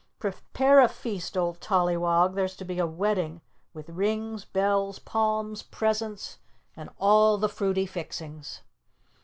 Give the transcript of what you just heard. "Prepare a feast, Old Tollywog, there's to be a wedding, with rings, bells, palms, presents and all the fruity fixings."